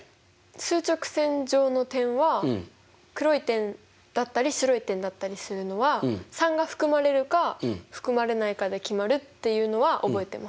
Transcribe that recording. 数直線上の点は黒い点だったり白い点だったりするのは３が含まれるか含まれないかで決まるっていうのは覚えてます。